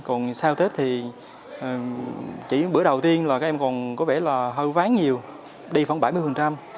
còn sau tết thì chỉ bữa đầu tiên là các em còn có vẻ là hơi ván nhiều đi khoảng bảy mươi